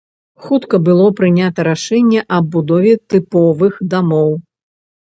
Хутка было прынята рашэнне аб будове тыповых дамоў.